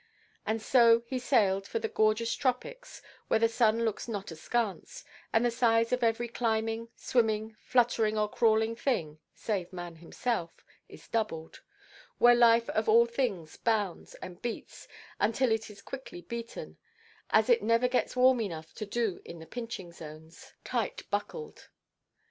And so he sailed for the gorgeous tropics, where the sun looks not askance, where the size of every climbing, swimming, fluttering, or crawling thing (save man himself) is doubled; where life of all things bounds and beats—until it is quickly beaten—as it never gets warm enough to do in the pinching zones, tight–buckled.